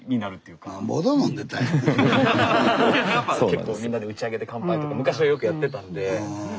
結構みんなで打ち上げで乾杯とか昔はよくやってたんでそれやっぱね。